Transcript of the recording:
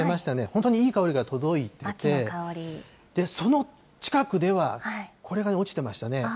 本当にいい香りが届いてて、その近くでは、これが落ちてましたね。